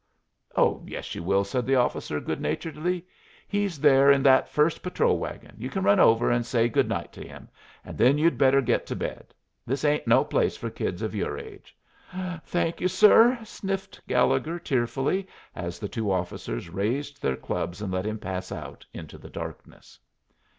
"Oh, yes, you will," said the officer, good naturedly; "he's there in that first patrol wagon. You can run over and say good night to him, and then you'd better get to bed. This ain't no place for kids of your age." "Thank you, sir," sniffed Gallegher, tearfully, as the two officers raised their clubs, and let him pass out into the darkness.